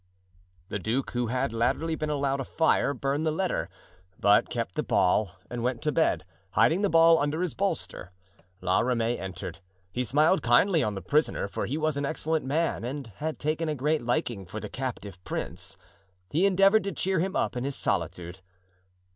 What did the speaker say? The duke, who had latterly been allowed a fire, burned the letter, but kept the ball, and went to bed, hiding the ball under his bolster. La Ramee entered; he smiled kindly on the prisoner, for he was an excellent man and had taken a great liking for the captive prince. He endeavored to cheer him up in his solitude.